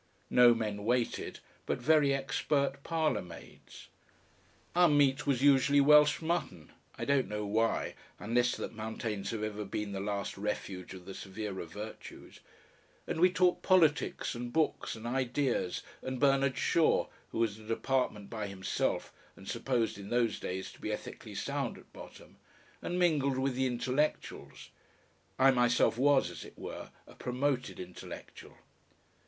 No men waited, but very expert parlourmaids. Our meat was usually Welsh mutton I don't know why, unless that mountains have ever been the last refuge of the severer virtues. And we talked politics and books and ideas and Bernard Shaw (who was a department by himself and supposed in those days to be ethically sound at bottom), and mingled with the intellectuals I myself was, as it were, a promoted intellectual.